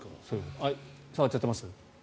触っちゃってます？